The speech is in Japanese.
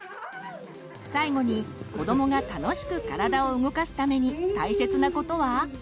最後に子どもが楽しく体を動かすために大切なことは？